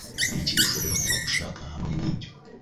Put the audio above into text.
Niki ushobora kuba ushaka hamwe nibyo?